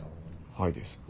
はいです。